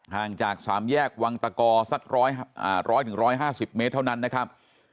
ห่างจากสามแยกวังตะกอร์สักร้อยอ่าร้อยถึงร้อยห้าสิบเมตรเท่านั้นนะครับ